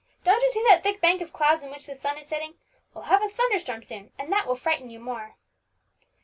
Don't you see that thick bank of clouds in which the sun is setting? We'll have a thunderstorm soon, and that will frighten you more."